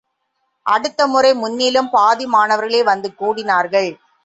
அடுத்த முறை, முன்னிலும் பாதி மாணவர்களே வந்து கூடினார்கள்.